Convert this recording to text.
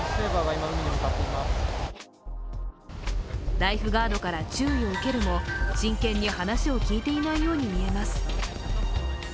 ライフガードから注意を受けるも真剣に話を聞いていないようにみえます。